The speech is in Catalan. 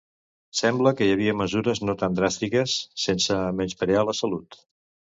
Sembla que hi havia mesures no tan dràstiques, sense menysprear la salut.